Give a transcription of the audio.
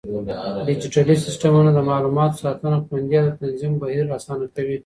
ډيجيټلي سيستمونه د معلوماتو ساتنه خوندي او د تنظيم بهير آسانه کوي.